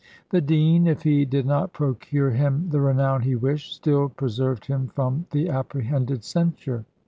The dean, if he did not procure him the renown he wished, still preserved him from the apprehended censure.